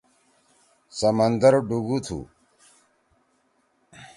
سمندر ڈُوگُو تُھو۔